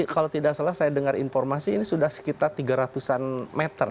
kalau tidak salah saya dengar informasi ini sudah sekitar tiga ratus an meter